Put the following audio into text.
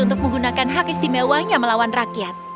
untuk menggunakan hak istimewanya melawan rakyat